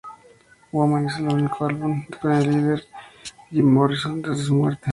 Woman, el último álbum con el líder Jim Morrison antes de su muerte.